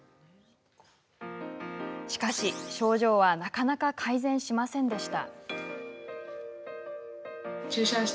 しかし、症状はなかなか改善しませんでした。